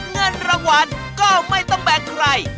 เงินรางวัลก็ไม่ต้องแบกใคร